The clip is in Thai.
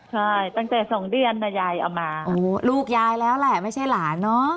ใช่ตั้งแต่สองเดือนแต่ยายเอามาลูกยายแล้วแหละไม่ใช่หลานเนอะ